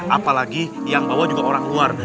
apalagi yang bawa juga orang luar